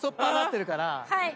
はい。